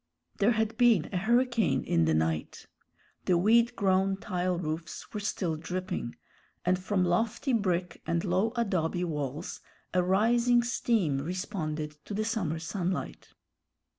There had been a hurricane in the night. The weed grown tile roofs were still dripping, and from lofty brick and low adobe walls a rising steam responded to the summer sunlight.